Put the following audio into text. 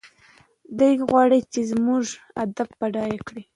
دی غواړي چې زموږ ادب بډایه شي.